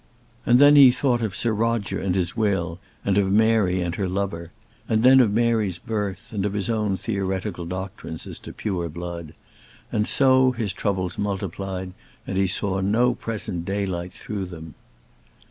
And then he thought of Sir Roger and his will, and of Mary and her lover. And then of Mary's birth, and of his own theoretical doctrines as to pure blood. And so his troubles multiplied, and he saw no present daylight through them.